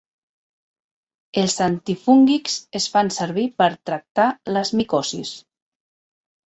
Els antifúngics es fan servir per tractar les micosis.